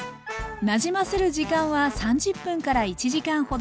なじませる時間は３０分から１時間ほど。